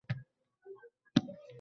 Havo juda issiq edi.